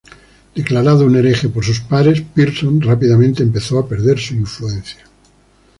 Declarado un hereje por sus pares, Pearson rápidamente empezó a perder su influencia.